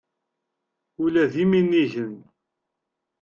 Ula d iminigen.